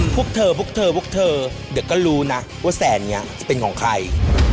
พวกเธอเดี๋ยวก็รู้นะว่าแสนนี้จะเป็นของใคร